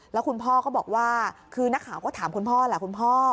แล้วคุณพ่อก็บอกว่าคือนักข่าวก็ถามคุณพ่อแหละคุณพ่อ